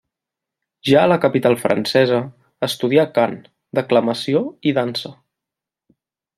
Ja a la capital francesa, estudià cant, declamació i dansa.